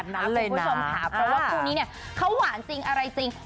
คุณผู้ชมค่ะเพราะว่าคู่นี้เนี่ยเขาหวานจริงอะไรจริง